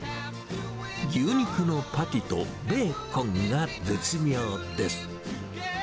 牛肉のパティとベーコンが絶妙です。